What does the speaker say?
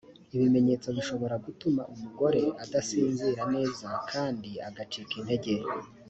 ibimenyetso bishobora gutuma umugore adasinzira neza kandi agacika intege.